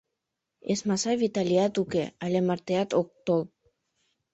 Эсмаса Виталият уке, але мартеат ок тол.